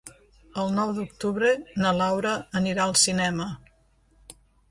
El nou d'octubre na Laura anirà al cinema.